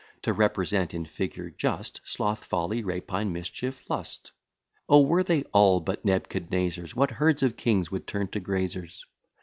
To represent in figure just, Sloth, folly, rapine, mischief, lust; Oh! were they all but Neb cadnezers, What herds of s would turn to grazers!